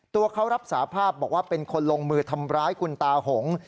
ตัวเขารับสาภาพบอกว่าเป็นคนลงมือทำร้ายคุณตาหง